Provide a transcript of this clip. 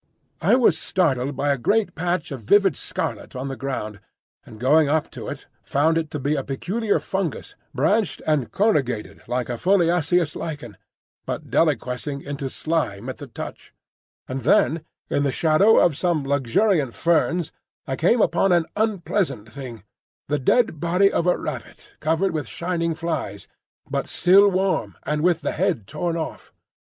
I was startled by a great patch of vivid scarlet on the ground, and going up to it found it to be a peculiar fungus, branched and corrugated like a foliaceous lichen, but deliquescing into slime at the touch; and then in the shadow of some luxuriant ferns I came upon an unpleasant thing,—the dead body of a rabbit covered with shining flies, but still warm and with the head torn off.